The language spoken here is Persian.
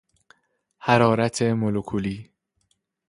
حرارت مولکولی